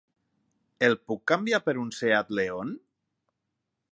El puc canviar per un Seat León?